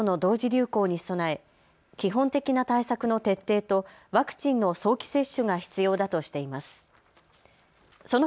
流行に備え基本的な対策の徹底とワクチンの早期接種が必要だとしています。